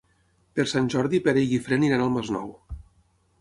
Per Sant Jordi en Pere i en Guifré aniran al Masnou.